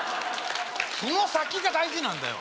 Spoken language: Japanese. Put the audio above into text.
その先が大事なんだよ